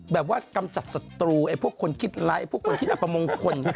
กำจัดศัตรูไอ้พวกคนคิดไลค์พวกคนคิดอัปมงคล